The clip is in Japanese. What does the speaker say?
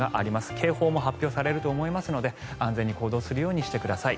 警報も発表されると思いますので安全に行動するようにしてください。